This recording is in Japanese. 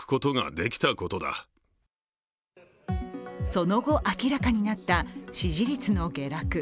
その後、明らかになった支持率の下落。